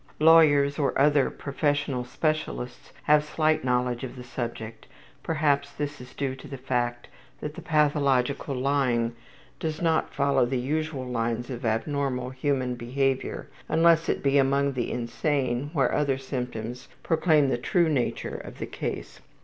Lawyers, or other professional specialists have slight knowledge of the subject. Perhaps this is due to the fact that the pathological lying does not follow the usual lines of abnormal human behavior, unless it be among the insane where other symptoms proclaim the true nature of the case.